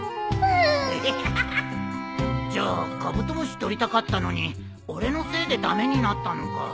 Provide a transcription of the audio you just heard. じゃあカブトムシ捕りたかったのに俺のせいで駄目になったのか。